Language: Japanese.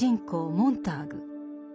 モンターグ。